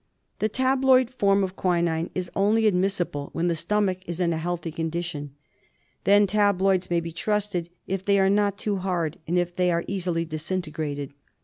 The tabloid form of quinine is only admissible when the stomach is in a healthy condition. Then tabloids may be trusted if they are not too hard, and if they are easily disintegrated.